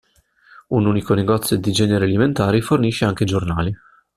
Un unico negozio di generi alimentari fornisce anche i giornali.